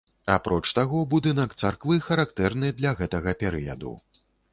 Апроч таго, будынак царквы характэрны для гэтага перыяду.